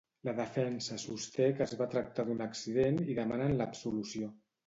La defensa sosté que es va tractar d'un accident i demanen l'absolució.